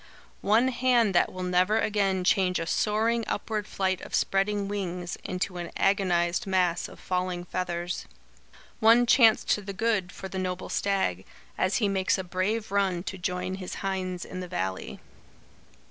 One hand that will never again change a soaring upward flight of spreading wings, into an agonised mass of falling feathers. One chance to the good, for the noble stag, as he makes a brave run to join his hinds in the valley."